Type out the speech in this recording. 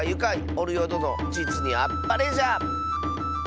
おるよどのじつにあっぱれじゃ！